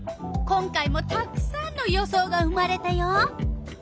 今回もたくさんの予想が生まれたよ。